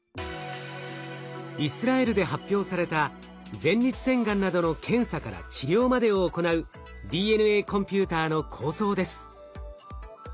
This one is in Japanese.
イスラエルで発表された前立腺がんなどの検査から治療までを行うＤＮＡコンピューターの構想です。